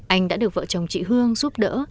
anh đã được vợ chồng chị hương giúp đỡ